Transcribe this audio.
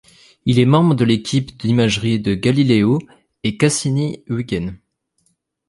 Il est membre de l'équipe d'imagerie de Galileo et Cassini-Huygens.